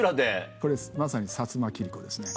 これまさに薩摩切子ですね。